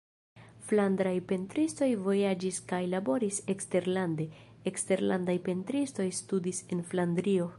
Flandraj pentristoj vojaĝis kaj laboris eksterlande; eksterlandaj pentristoj studis en Flandrio.